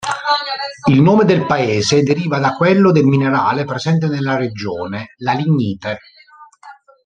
Il nome del paese deriva da quello del minerale presente nella regione, la lignite.